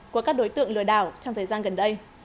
của các đối tượng lừa đảo trong thời gian gần đây